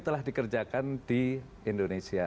telah dikerjakan di indonesia